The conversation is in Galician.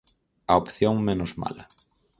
A opción "menos mala".